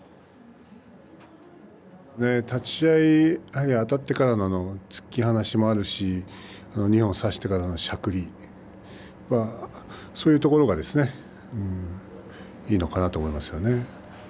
立ち合いあたってからの突き放しもあるし二本差してからのしゃくりそういうところがいいのかなと思いますね。